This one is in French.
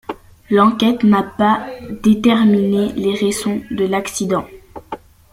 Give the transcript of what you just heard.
L'enquête n'a pas déterminé les raisons de l'accident.